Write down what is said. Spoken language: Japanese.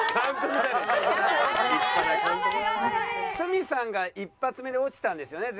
鷲見さんが一発目で落ちたんですよね